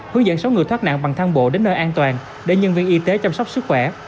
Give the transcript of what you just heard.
hướng dẫn sáu người thoát nạn bằng thang bộ đến nơi an toàn để nhân viên y tế chăm sóc sức khỏe